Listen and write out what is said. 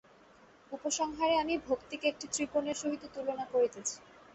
উপসংহারে আমি ভক্তিকে একটি ত্রিকোণের সহিত তুলনা করিতেছি।